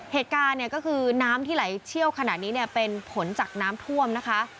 เหตุการณ์เนี่ยก็คือน้ำที่ไหลเชี่ยวขนาดนี้เนี่ยเป็นผลจากน้ำท่วมนะคะ